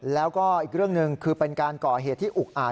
แล้วก็อีกเรื่องหนึ่งคือเป็นการก่อเหตุที่อุกอาจ